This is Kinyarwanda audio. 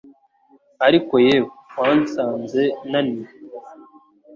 Ariko yewe wansanze naniwe